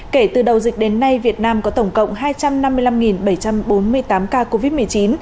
kể từ đầu dịch đến nay việt nam có tổng cộng hai trăm năm mươi năm bảy trăm bốn mươi tám ca covid một mươi chín